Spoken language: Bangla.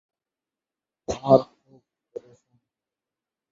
আমি খুব পেরেশান হয়ে এসেছি।